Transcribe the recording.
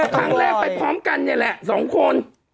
ครั้งแรกไปพร้อมกันเนี่ยแหละ๒คน